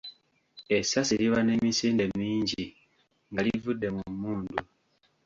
Essasi liba n'emisinde mingi nga livudde mu mmundu.